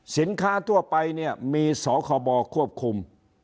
สินค้าทั่วไปเนี่ยมีสคควบคุม